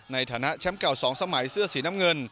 ในฐานะแชมป์เก่า๒สมัยเสื้อสีน้ำเงิน